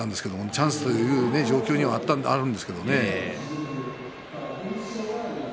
チャンスという状況ではあったんですけどね。